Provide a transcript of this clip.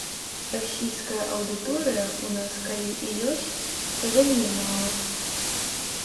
Расійская аўдыторыя ў нас калі і ёсць, то вельмі мала.